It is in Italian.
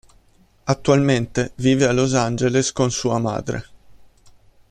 Attualmente vive a Los Angeles con sua madre.